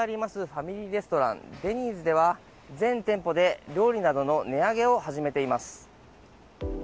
ファミリーレストランデニーズでは全店舗で料理などの値上げを始めています。